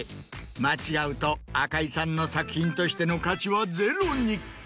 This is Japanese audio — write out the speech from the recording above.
間違うと赤井さんの作品としての価値はゼロに！